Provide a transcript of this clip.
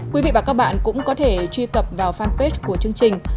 quý vị và các bạn cũng có thể truy cập vào fanpage của chương trình